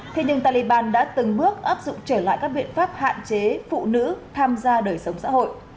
thế nhưng taliban đã từng bước áp dụng trở lại các biện pháp hạn chế phụ nữ tham gia đời sống xã hội